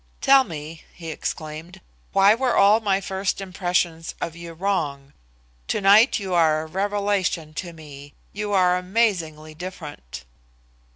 "Tell me," he exclaimed, "why were all my first impressions of you wrong? To night you are a revelation to me. You are amazingly different."